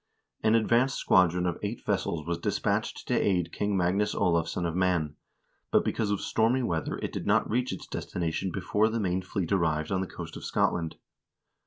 An advance squadron of eight vessels was dispatched to aid King Magnus Olavsson of Man, but because of stormy weather it did not reach its destination before the main fleet arrived on the coast of Scotland.